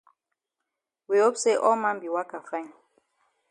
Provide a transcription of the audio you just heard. We hope say all man be waka fine.